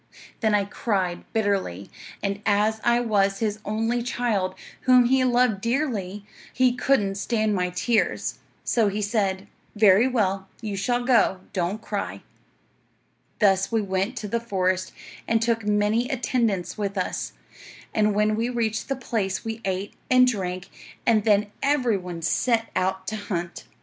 Then I cried bitterly, and as I was his only child, whom he loved dearly, he couldn't stand my tears, so he said: "Very well; you shall go. Don't cry." "'Thus we went to the forest, and took many attendants with us; and when we reached the place we ate and drank, and then every one set out to hunt.